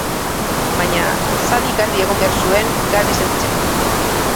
Baina Xabik garbi egon behar zuen, garbi sentitzeko.